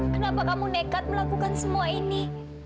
kenapa kamu nekat melakukan semua ini